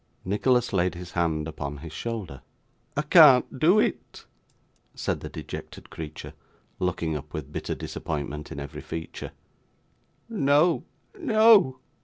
Nicholas laid his hand upon his shoulder. 'I can't do it,' said the dejected creature, looking up with bitter disappointment in every feature. 'No, no.